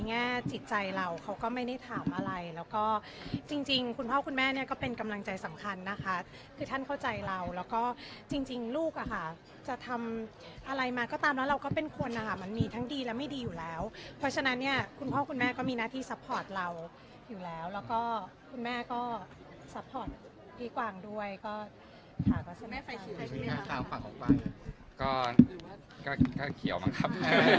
แง่จิตใจเราเขาก็ไม่ได้ถามอะไรแล้วก็จริงคุณพ่อคุณแม่เนี่ยก็เป็นกำลังใจสำคัญนะคะคือท่านเข้าใจเราแล้วก็จริงลูกอ่ะค่ะจะทำอะไรมาก็ตามแล้วเราก็เป็นคนนะคะมันมีทั้งดีและไม่ดีอยู่แล้วเพราะฉะนั้นเนี่ยคุณพ่อคุณแม่ก็มีหน้าที่ซัพพอร์ตเราอยู่แล้วแล้วก็คุณแม่ก็ซัพพอร์ตพี่กวางด้วยก็ค่ะ